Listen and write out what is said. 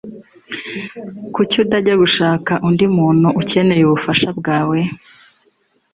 Kuki utajya gushaka undi muntu ukeneye ubufasha bwawe?